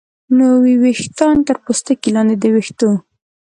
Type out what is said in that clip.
نوي ویښتان تر پوستکي لاندې د ویښتو